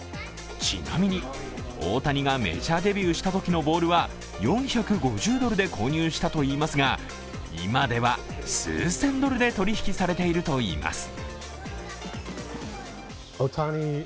ちなみに、大谷がメジャーデビューしたときのボールは４５０ドルで購入したといいますが、今では数千ドルで取引されているといいます。